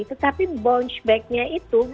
tetapi bounce backnya itu